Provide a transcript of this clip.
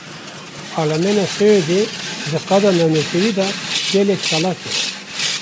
Parlamena Swêdê, di qada navnetewî de gelek çalak e